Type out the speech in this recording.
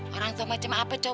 orang tuh macam apa coba dia tuh